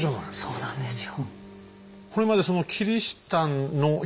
そうなんですよ。